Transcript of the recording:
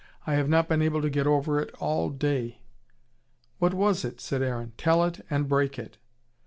I have not been able to get over it all day." "What was it?" said Aaron. "Tell it, and break it."